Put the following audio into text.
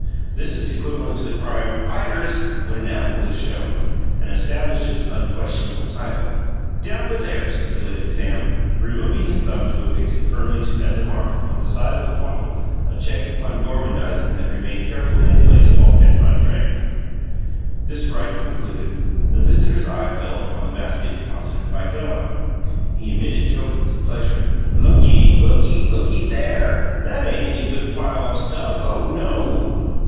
This is equivalent to the cry of "Biters" when an apple is shown, and establishes unquestionable title. "Down to there!" stipulated Sam, removing his thumb to affix it firmly as a mark upon the side of the bottle a check upon gormandizing that remained carefully in place while Penrod drank. This rite concluded, the visitor's eye fell upon the basket deposited by Della. He emitted tokens of pleasure. "Looky! Looky! Looky there! That ain't any good pile o' stuff oh, no!"